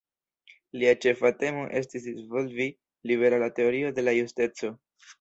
Lia ĉefa temo estis disvolvi liberala teorio de la justeco.